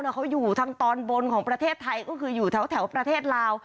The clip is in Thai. เขาอยู่ทางตอนบนของประเทศไทยก็คืออยู่แถวประเทศลาว